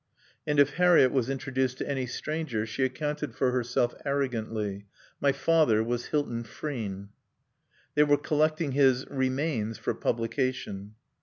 And if Harriett was introduced to any stranger she accounted for herself arrogantly: "My father was Hilton Frean." They were collecting his Remains for publication.